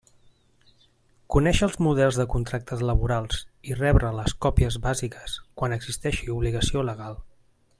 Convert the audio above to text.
Conèixer els models de contractes laborals i rebre les còpies bàsiques quan existeixi obligació legal.